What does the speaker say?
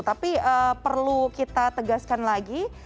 tapi perlu kita tegaskan lagi